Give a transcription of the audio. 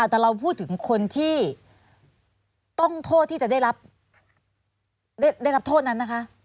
แต่เราพูดถึงคนที่ต้องโทษที่จะได้รับโทษนั้นนะคะ